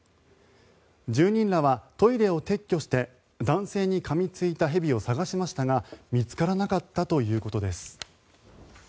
住人らはトイレを撤去して男性にかみついた蛇を探しましたが、見つからなかったということです。